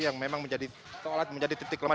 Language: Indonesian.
yang memang menjadi titik lemah